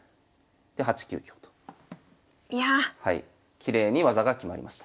きれいに技が決まりました。